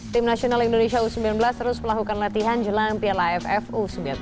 tim nasional indonesia u sembilan belas terus melakukan latihan jelang piala ff u sembilan belas